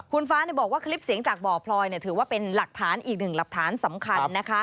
คุณฟ้าบอกว่าคลิปเสียงจากบ่อพลอยถือว่าเป็นหลักฐานอีกหนึ่งหลักฐานสำคัญ